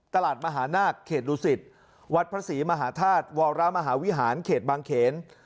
ตลาดมหานาคเขตดุสิตวัดพระศรีมหาธาตุวรมหาวิหารเขตบางเขน